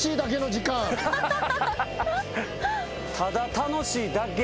ただ楽しいだけ。